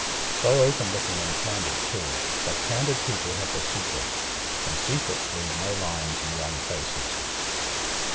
So open looking and candid, too; but candid people have their secrets, and secrets leave no lines in young faces.